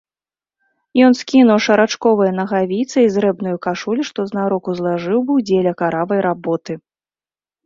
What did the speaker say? Ён скінуў шарачковыя нагавіцы й зрэбную кашулю, што знарок узлажыў быў дзеля каравай работы.